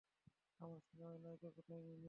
আমার সিনেমায় নায়িকা কোথায়, মিমি?